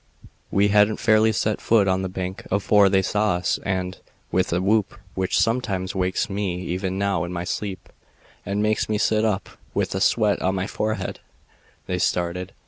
We hadn't fairly set foot on the bank afore they saw us and, with a whoop which sometimes wakes me even now in my sleep and makes me sit up with the sweat on my forehead they started.